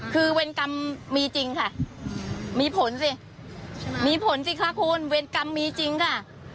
คือเวรกรรมมีจริงค่ะมีผลสิมีผลสิคะคุณเวรกรรมมีจริงค่ะ